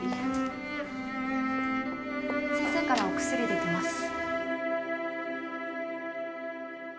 先生からお薬出てます。